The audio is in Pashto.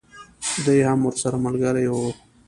دی هم ورسره ملګری وو.